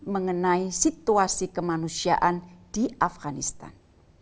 mengenai situasi kemanusiaan di afganistan